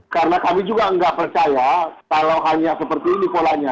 karena kami juga nggak percaya kalau hanya seperti ini polanya